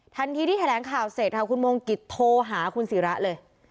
ทันทีที่แถลงข่าวเสร็จค่ะคุณมงกิจโทรหาคุณศิระเลย